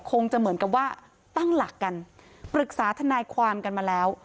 คงจะเหมือนกับว่าตั้งหลักกันปรึกษาทนายความกันมาแล้ว